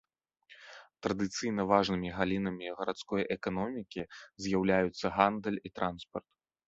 Традыцыйна важнымі галінамі гарадской эканомікі з'яўляюцца гандаль і транспарт.